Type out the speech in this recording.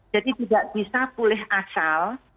jadi tidak bisa pulih asal